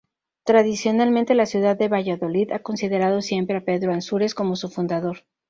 Tradicionalmente la ciudad de Valladolid ha considerado siempre a Pedro Ansúrez como su fundador.